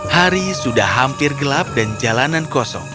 hari sudah hampir gelap dan jalanan kosong